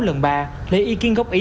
lần ba lấy ý kiến gốc ý